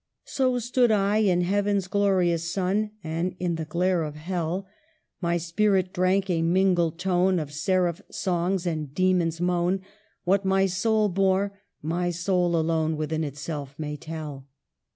" So stood I, in Heaven's glorious sun, And in the glare of Hell ; 1 84 EMILY BRONTE. My spirit drank a mingled tone, Of seraph's song, and demon's moan ; What my soul bore, my soul alone Within itself may tell